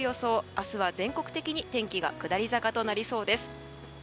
明日は全国的に天気が下り坂となりそうです。